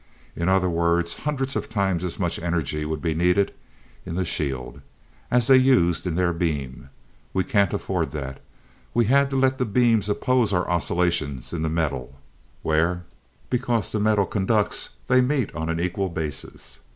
In other words, hundreds of times as much energy would be needed in the shield, as they used in their beam. We can't afford that. We had to let the beams oppose our oscillations in the metal, where, because the metal conducts, they meet on an equal basis.